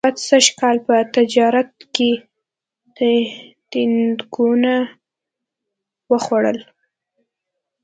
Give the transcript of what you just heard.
احمد سږ کال په تجارت کې تیندکونه و خوړل